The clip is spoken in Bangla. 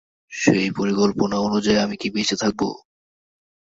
সেই পরিকল্পনা অনুযায়ী আমি কি বেঁচে থাকব?